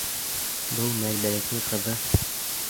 Бер мәл бәләкәй ҡыҙы: